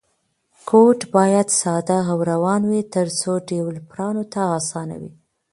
کوډ باید ساده او روان وي ترڅو ډیولپرانو ته اسانه وي.